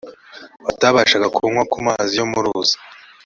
batabashaga kunywa ku mazi yo mu ruzi